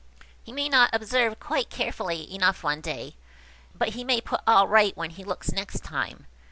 He may not observe quite carefully enough one day, but he may put all right when he looks next time.